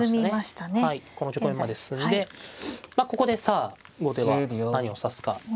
この局面まで進んでここでさあ後手は何を指すか。